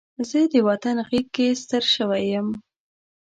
زه د وطن غېږ کې ستر شوی یم